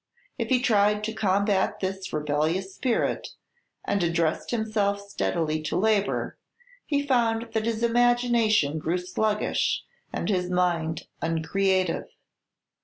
If he tried to combat this rebellious spirit, and addressed himself steadily to labor, he found that his imagination grew sluggish, and his mind uncreative.